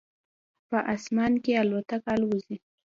په اسمان کې الوتکه الوزي